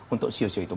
untuk siu siu itu